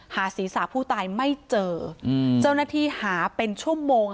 ศีรษะผู้ตายไม่เจอเจ้าหน้าที่หาเป็นชั่วโมง